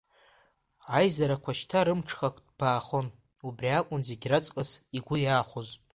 Аизарақәа шьҭа рымҽхак ҭбаахон, убри акәын зегь раҵкыс игәы иаахәоз.